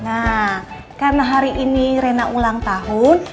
nah karena hari ini rena ulang tahun